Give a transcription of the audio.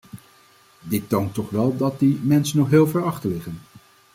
Dit toont toch wel dat die mensen nog heel ver achter liggen.